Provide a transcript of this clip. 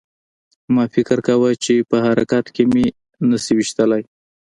ما فکر کاوه چې په حرکت کې مې نشي ویشتلی